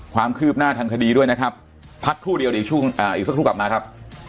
ความคืบหน้าทางคดีด้วยนะครับพักครู่เดียวเดี๋ยวช่วงอีกสักครู่กลับมาครับ